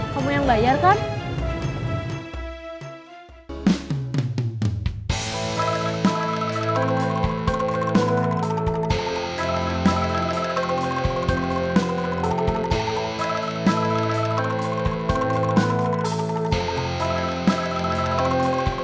kamu yang bayar kan